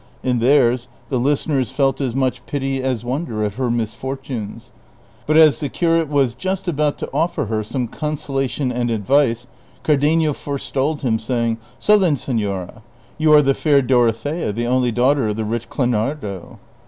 In theirs the listeners felt as much pity as wonder at her misfortunes ; but as the curate was just about to offer her some consolation and advice Cardenio forestalled him, saying, " So then, senora, you are the fair Dorothea, the only daughter of the rich Clenardo